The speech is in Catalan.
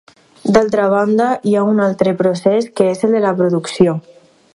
D'altra banda, hi ha un altre procés que és el de la producció.